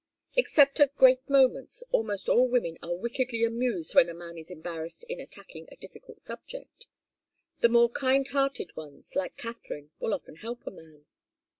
Except at great moments, almost all women are wickedly amused when a man is embarrassed in attacking a difficult subject. The more kind hearted ones, like Katharine, will often help a man.